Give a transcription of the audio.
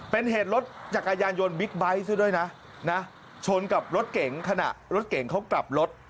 เป็นเหตุรถจักรยานยนต์บิ๊กไบท์ซะด้วยนะชนกับรถเก๋งขณะรถเก่งเขากลับรถ